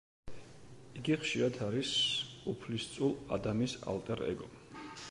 იგი ხშირად არის უფლისწულ ადამის ალტერ ეგო.